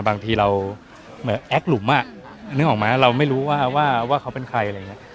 บางทีเราเหมือนแอ๊กหลุมอ่ะนึกออกไหมเราไม่รู้ว่าเขาเป็นใครอะไรอย่างนี้